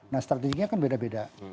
nah strateginya kan beda beda